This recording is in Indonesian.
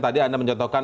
tadi anda menjadikan